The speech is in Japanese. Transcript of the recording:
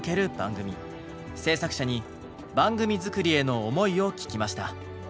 制作者に番組作りへの思いを聞きました。